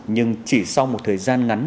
nhưng chỉ sau một thời gian ngắn